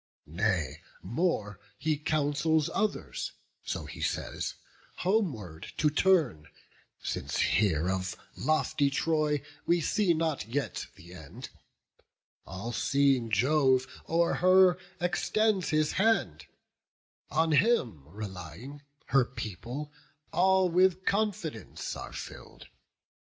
Nay more, he counsels others, so he says, Homeward to turn, since here of lofty Troy We see not yet the end; all seeing Jove O'er her extends his hand; on him relying, Her people all with confidence are fill'd.